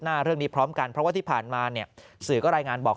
หน้าเรื่องนี้พร้อมกันเพราะว่าที่ผ่านมาเนี่ยสื่อก็รายงานบอก